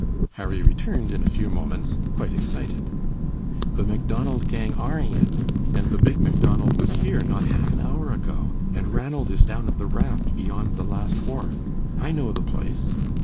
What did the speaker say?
Harry returned in a few moments, quite excited. "The Macdonald gang are in, and the Big Macdonald was here not half an hour ago, and Ranald is down at the raft beyond the last wharf. I know the place."